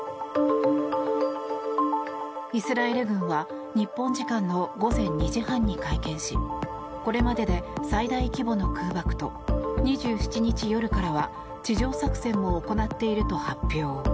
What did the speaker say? イスラエル軍は日本時間の午前２時半に会見しこれまでで最大規模の空爆と２７日夜からは地上作戦も行っていると発表。